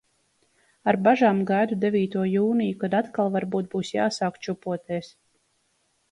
Ar bažām gaidu devīto jūniju, kad atkal varbūt būs jāsāk čupoties.